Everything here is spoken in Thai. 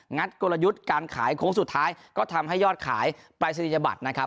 กลยุทธ์การขายโค้งสุดท้ายก็ทำให้ยอดขายปรายศนียบัตรนะครับ